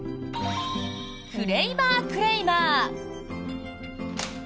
「クレイマー、クレイマー」。